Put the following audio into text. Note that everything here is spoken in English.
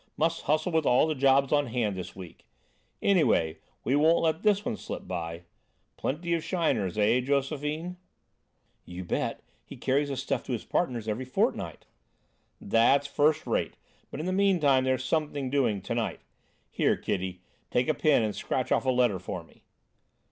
Must hustle with all the jobs on hand this week. Anyway, we won't let this one slip by. Plenty of shiners, eh, Josephine?" "You bet. He carries the stuff to his partners every fortnight." "That's first rate, but in the meantime there's something doing to night. Here, kiddy, take a pen and scratch off a letter for me."